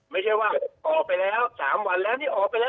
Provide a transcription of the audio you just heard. ไม่ใช่ว่าออกไปแล้ว๓วันแล้วนี่ออกไปแล้ว